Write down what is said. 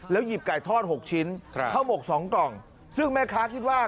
แล้วหยีบไก่ทอดหกชิ้นครับเข้าหมกสองกล่องซึ่งแม่ค้าคิดว่า